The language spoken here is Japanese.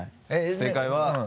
正解は。